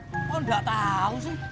kok lo gak tau sih